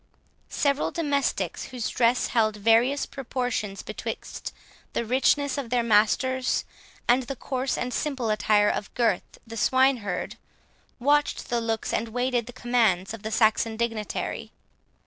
Several domestics, whose dress held various proportions betwixt the richness of their master's, and the coarse and simple attire of Gurth the swine herd, watched the looks and waited the commands of the Saxon dignitary.